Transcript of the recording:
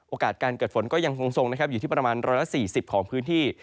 การเกิดฝนก็ยังคงทรงนะครับอยู่ที่ประมาณ๑๔๐ของพื้นที่